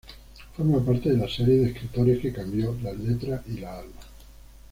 Forma parte de la serie de escritores que cambió las letras y las armas.